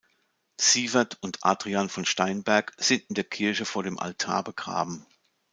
Sievert und Adrian von Steinberg sind in der Kirche vor dem Altar begraben.